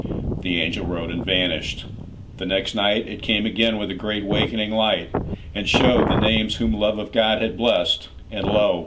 'The angel wrote and vanished. The next nightIt came again with a great wakening light, And showed the names whom love of God had blessed, And lo!